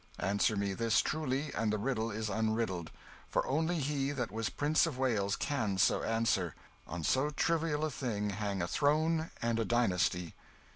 Answer me this truly, and the riddle is unriddled; for only he that was Prince of Wales can so answer! On so trivial a thing hang a throne and a dynasty!"